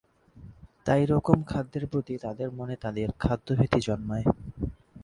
তাই রকম খাদ্যের প্রতি তাদের মনে তাদের খাদ্য ভীতি জন্মায়।